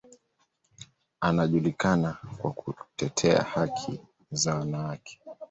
Anajulikana kwa kutetea haki za wanawake.